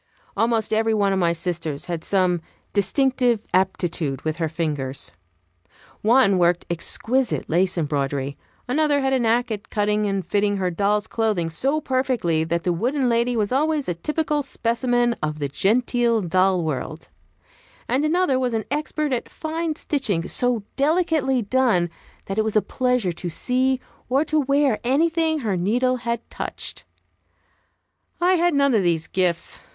Almost every one of my sisters had some distinctive aptitude with her fingers. One worked exquisite lace embroidery; another had a knack at cutting and fitting her doll's clothing so perfectly that the wooden lady was always a typical specimen of the genteel doll world; and another was an expert at fine stitching, so delicately done that it was a pleasure to see or to wear anything her needle had touched. I had none of these gifts.